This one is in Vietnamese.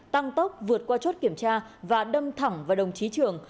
tăng tốc vượt qua chốt kiểm tra và đâm thẳng vào đồng chí trường